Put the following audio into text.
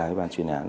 với ban chuyên án